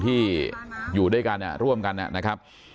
ท่านดูเหตุการณ์ก่อนนะครับ